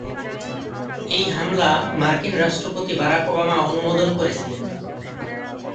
এই হামলা মার্কিন রাষ্ট্রপতি বারাক ওবামা অনুমোদন করেছিলেন।